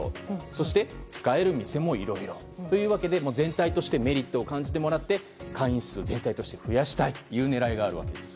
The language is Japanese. そして、使える店もいろいろというわけで全体としてメリットを感じてもらって会員数を全体として増やしたいという狙いがあるわけです。